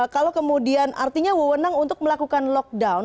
kalau kemudian artinya wewenang untuk melakukan lockdown